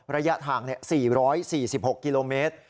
ระยะทางเนี่ย๔๔๖กิโลเมตร